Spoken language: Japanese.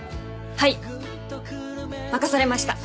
はい任されました！